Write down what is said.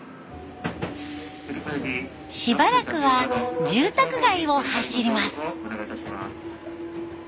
しばらくは住宅街を走ります。